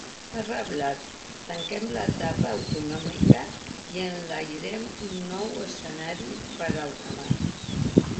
Ha reblat: Tanquem l’etapa autonòmica i enlairem un nou escenari per al demà.